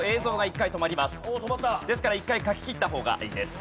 ですから一回書ききった方がいいです。